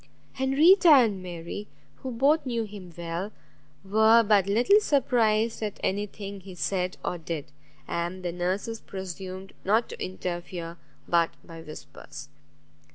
Henrietta and Mary, who both knew him well, were but little surprised at anything he said or did, and the nurses presumed not to interfere but by whispers.